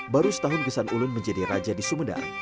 baru setahun gesan ulun menjadi raja di sumedang